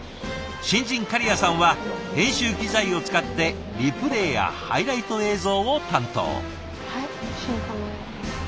新人狩屋さんは編集機材を使ってリプレイやハイライト映像を担当。